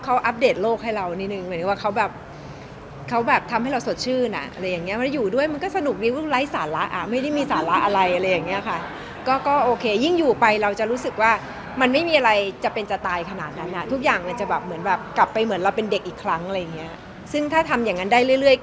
เขาอัปเดตโลกให้เรานิดนึงหมายถึงว่าเขาแบบเขาแบบทำให้เราสดชื่นอ่ะอะไรอย่างเงี้มันอยู่ด้วยมันก็สนุกดีก็ไร้สาระอ่ะไม่ได้มีสาระอะไรอะไรอย่างเงี้ยค่ะก็ก็โอเคยิ่งอยู่ไปเราจะรู้สึกว่ามันไม่มีอะไรจะเป็นจะตายขนาดนั้นอ่ะทุกอย่างมันจะแบบเหมือนแบบกลับไปเหมือนเราเป็นเด็กอีกครั้งอะไรอย่างเงี้ยซึ่งถ้าทำอย่างงั้นได้เรื่อย